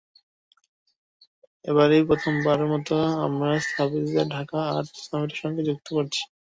এবারই প্রথমবারের মতো আমরা স্থপতিদের ঢাকা আর্ট সামিটের সঙ্গে যুক্ত করেছি।